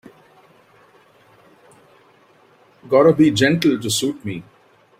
Gotta be gentle to suit me.